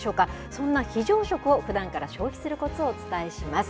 そんな非常食をふだんから消費するこつをお伝えします。